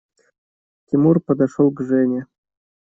Тимур подошел к Жене.